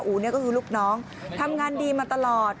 อู๋เนี่ยก็คือลูกน้องทำงานดีมาตลอด